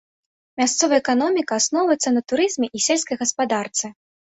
Мясцовая эканоміка асноўваецца на турызме і сельскай гаспадарцы.